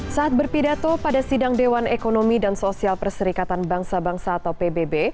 saat berpidato pada sidang dewan ekonomi dan sosial perserikatan bangsa bangsa atau pbb